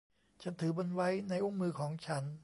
ฉันถือมันไว้ในอุ้งมือของฉัน